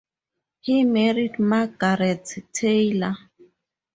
He married Margaret Taylor.